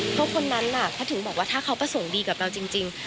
เพราะคนนั้นเขาถึงบอกว่าถ้าเขาประสงค์ดีกับเราจริง